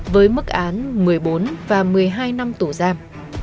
với mức án một mươi bốn và một mươi hai năm tù giam